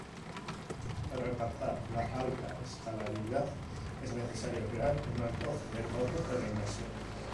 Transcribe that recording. Para alcanzar la alta escalabilidad es necesario crear un alto retorno de la inversión.